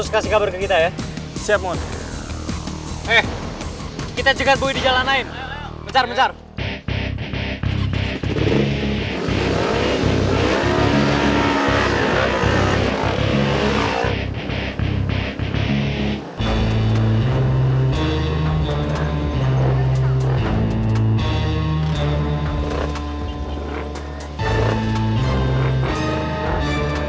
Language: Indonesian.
ini udah sampai kinerja k wes